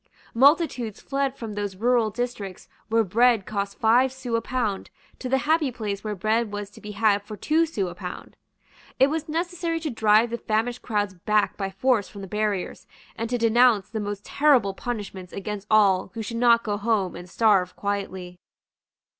Multitudes fled from those rural districts where bread cost five sous a pound to the happy place where bread was to be had for two sous a pound. It was necessary to drive the famished crowds back by force from the barriers, and to denounce the most terrible punishments against all who should not go home and starve quietly.